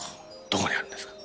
どこにあるんですか？